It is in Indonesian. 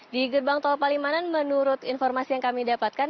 di gerbang tol palimanan menurut informasi yang kami dapatkan